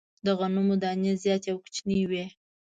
د غنمو دانې زیاتي او کوچنۍ وې.